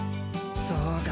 そうか！